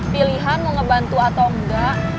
pilihan mau ngebantu atau enggak